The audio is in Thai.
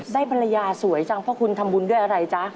ได้ภรรยาสวยจังเพราะคุณทำบุญด้วยอะไรจ๊ะ